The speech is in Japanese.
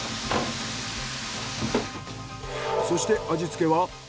そして味付けは。